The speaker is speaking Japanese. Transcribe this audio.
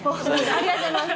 ありがとうございます。